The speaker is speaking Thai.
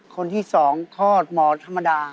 คนที่๒คลอดหมอธรรมดา